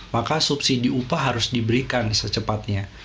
maka subsidi upah harus diberikan secepatnya